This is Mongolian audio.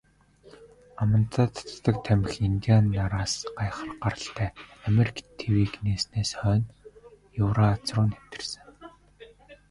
Амандаа татдаг тамхи индиан нараас гаралтай, Америк тивийг нээснээс хойно Еврази руу нэвтэрсэн.